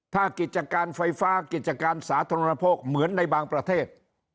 ถ้ากิจการไฟฟ้ากิจการสาธารณโภคเหมือนในบางประเทศ